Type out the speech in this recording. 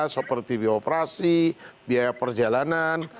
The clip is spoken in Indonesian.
seperti biaya operasi biaya perjalanan